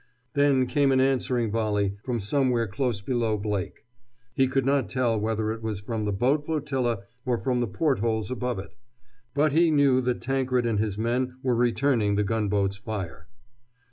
Then came an answering volley, from somewhere close below Blake. He could not tell whether it was from the boat flotilla or from the port holes above it. But he knew that Tankred and his men were returning the gunboat's fire.